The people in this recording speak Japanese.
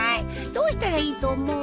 どうしたらいいと思う？